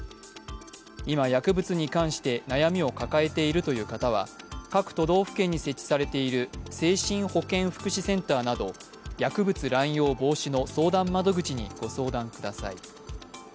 今、薬物に関して悩みを抱えているという方は各都道府県に設置されている精神保健福祉センターなど薬物乱用防止の相談窓口にご相談ください。